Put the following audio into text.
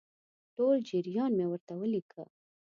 ټول جریان مې ورته ولیکه.